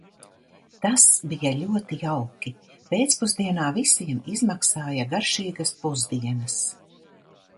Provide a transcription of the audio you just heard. Tas bija ļoti jauki, pēcpusdienā visiem izmaksāja garšīgas pusdienas.